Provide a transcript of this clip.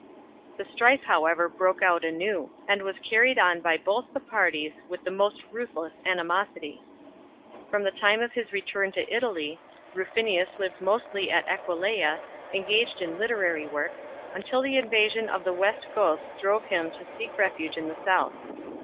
The strife, however, broke out anew, and was carried on by both the parties with the most ruthless animosity. From the time of his return to Italy, Rufinus lived mostly at Aquileia, engaged in literary work, until the invasion of the West Goths drove him to seek refuge in the South.